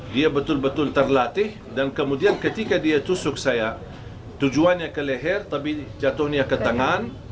dia betul betul terlatih dan kemudian ketika dia tusuk saya tujuannya ke leher tapi jatuhnya ke tangan